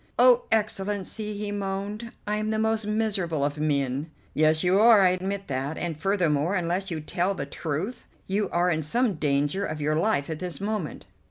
"Oh, Excellency," he moaned, "I am the most miserable of men." "Yes, you are. I admit that, and, furthermore, unless you tell the truth you are in some danger of your life at this moment."